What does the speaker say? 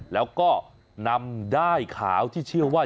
แล้วก็นำด้ายขาวที่เชื่อว่า